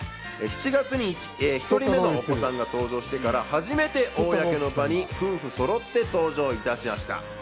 ７月に１人目のお子さんが誕生してから初めて公の場に夫婦そろって登場いたしやした。